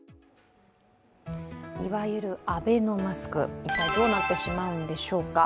いわゆるアベノマスク、一体どうなってしまうんでしょうか。